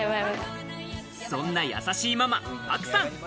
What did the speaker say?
そんなやさしいママ、パクさん。